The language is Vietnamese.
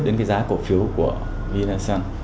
đến cái giá cổ phiếu của vinasun